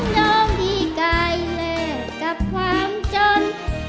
ต้องยอมดีกายเลยกับความจน